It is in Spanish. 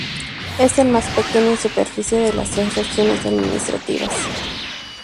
Es el más pequeño en superficie de las tres regiones administrativas.